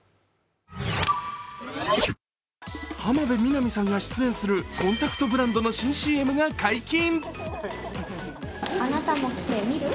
浜辺美波さんが出演するコンタクトブランドの新ＣＭが解禁。